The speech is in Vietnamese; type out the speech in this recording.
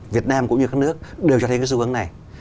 việt nam cũng như các nước đều cho thấy cái xu hướng này